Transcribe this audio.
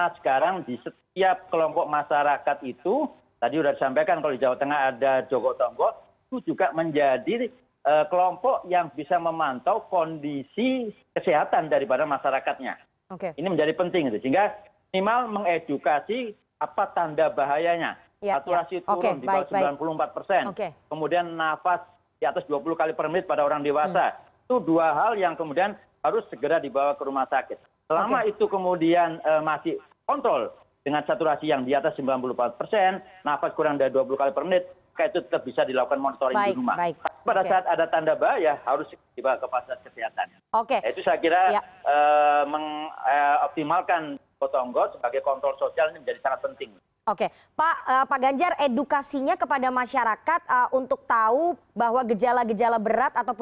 selamat sore mbak rifana